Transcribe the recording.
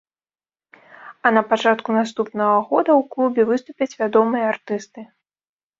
А на пачатку наступнага года ў клубе выступяць вядомыя артысты.